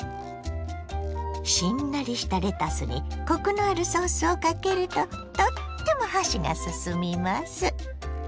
しんなりしたレタスにコクのあるソースをかけるととっても箸がすすみます。